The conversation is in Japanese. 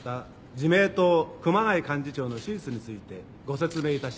自明党熊谷幹事長の手術についてご説明いたします。